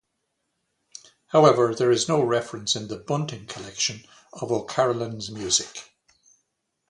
However, there is no reference in the Bunting collection of O Carolan's music.